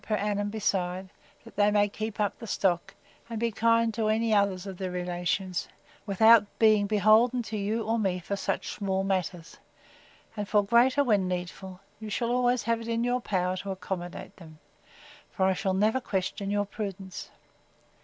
per annum besides, that they may keep up the stock, and be kind to any other of their relations, without being beholden to you or me for small matters; and for greater, where needful, you shall always have it in your power to accommodate them; for I shall never question your prudence.